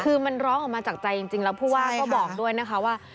คือมันร้องออกมาจากใจจริงแล้วผู้ว่าก็บอกด้วยนะคะว่า